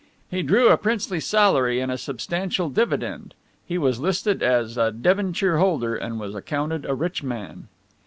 He drew a princely salary and a substantial dividend, he was listed as a debenture holder and was accounted a rich man.